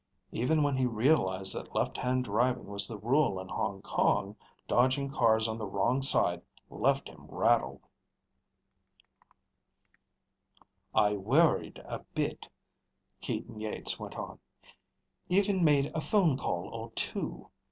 Even when he realized that left hand driving was the rule in Hong Kong, dodging cars on the wrong side left him rattled! "I worried a bit," Keaton Yeats went on. "Even made a phone call or two.